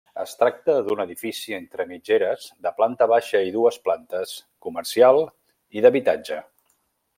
Es tracta d'un edifici entre mitgeres de planta baixa i dues plantes, comercial i d'habitatge.